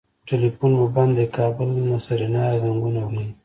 ټليفون مو بند دی کابل نه سېرېنا زنګونه وهي.